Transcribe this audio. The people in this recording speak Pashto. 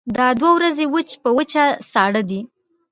دا دوه ورځې وچ په وچه ساړه دي.